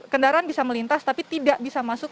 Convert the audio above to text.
kendaraan bisa melintas tapi tidak bisa masuk